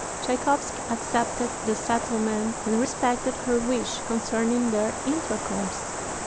Tschaikowsky accepted the settlement, and respected her wish concerning their intercourse.